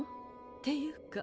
っていうか